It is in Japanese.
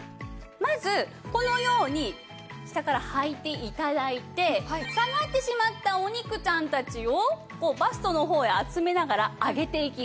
まずこのように下からはいて頂いて下がってしまったお肉ちゃんたちをバストの方へ集めながら上げていきます。